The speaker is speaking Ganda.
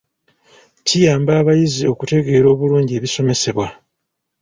Kiyamba abayizi okutegeera obulungi ebisomesebwa.